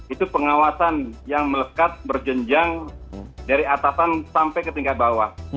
itu pengawasan yang melekat berjenjang dari atasan sampai ke tingkat bawah